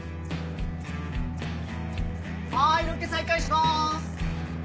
はいロケ再開します！